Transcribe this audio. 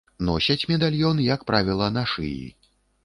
Носяць медальён, як правіла, на шыі.